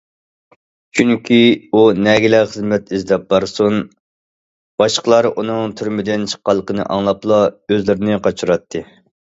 چۈنكى ئۇ نەگىلا خىزمەت ئىزدەپ بارسۇن، باشقىلار ئۇنىڭ تۈرمىدىن چىققانلىقىنى ئاڭلاپلا ئۆزلىرىنى قاچۇراتتى.